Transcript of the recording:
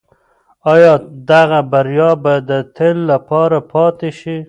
آیا دغه بریا به د تل لپاره پاتې شي؟